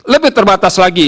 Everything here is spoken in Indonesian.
lebih terbatas lagi